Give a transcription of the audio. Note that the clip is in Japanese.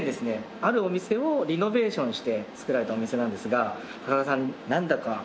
あるお店をリノベーションして作られたお店なんですが高田さんなんだかわかりますでしょうか？